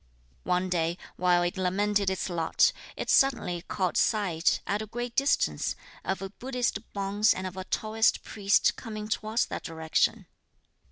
One day, while it lamented its lot, it suddenly caught sight, at a great distance, of a Buddhist bonze and of a Taoist priest coming towards that direction.